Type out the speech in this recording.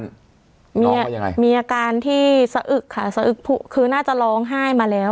มีอาการที่สะอึกค่ะสะอึกคือน่าจะร้องไห้มาแล้ว